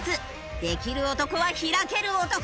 できる男は開ける男！